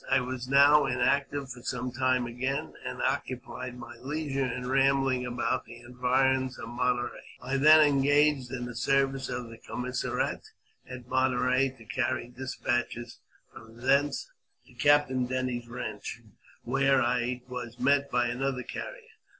I was now inactive for some time again, and occupied my leisure in rambling about the environs of Monterey. I then engaged in the service of the commissariat at Monterey, to carry despatches from thence to Captain Denny's ranch, where I was met by another carrier.